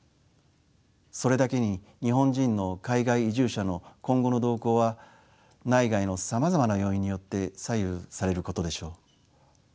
それだけに日本人の海外移住者の今後の動向は内外のさまざまな要因によって左右されることでしょう。